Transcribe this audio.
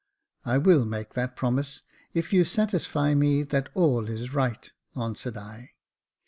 "I will make that promise, if you satisfy me that all is right," answered I.